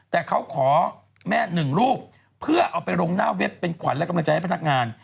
แต่เขาขอแม่หนึ่งรูปเพื่อเอาไปลงหน้าเว็บเป็นขวัญและกำลังใจให้พนักงาน